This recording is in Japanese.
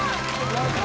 やった！